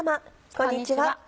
こんにちは。